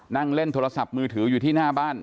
นั่งเล่นโทรศัพท์มือถืออยู่ที่หน้าบ้าน